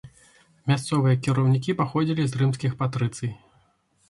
Мясцовыя кіраўнікі паходзілі з рымскіх патрыцый.